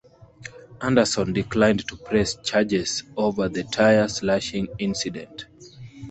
Anderson declined to press charges over the tire slashing incident.